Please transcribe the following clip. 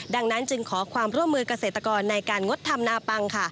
ดังนั้นจึงขอความร่วมมือเกษตรกรในการงดทำนาปัง